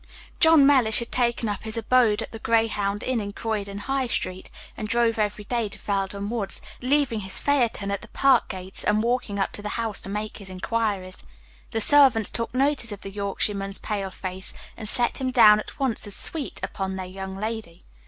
John Mellish had taken up his abode at the Grayhound Inn, in Croydon High street, and drove every day to Felden Woods, leaving his phaeton at the park gates, and walking up to the house to make his inquiries. The servants took notice of the Yorkshireman's pale face, and set him down at once as "sweet" upon their young lady.